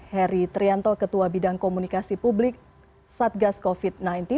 heri trianto ketua bidang komunikasi publik satgas covid sembilan belas